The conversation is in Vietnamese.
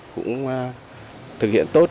cũng thực hiện tốt